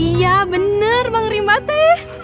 iya bener bang rimate